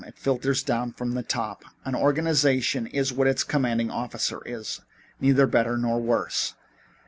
It filters down from the top. An organization is what its commanding officer is neither better nor worse.